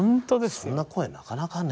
そんな声なかなかね。